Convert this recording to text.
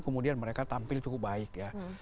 kemudian mereka tampil cukup baik ya